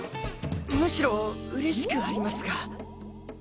むしろ嬉しくありますが。